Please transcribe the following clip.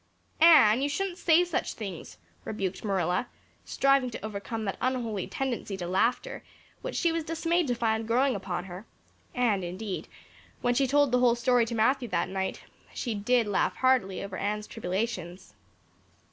"Anne, you shouldn't say such things" rebuked Marilla, striving to overcome that unholy tendency to laughter which she was dismayed to find growing upon her. And indeed, when she told the whole story to Matthew that night, she did laugh heartily over Anne's tribulations.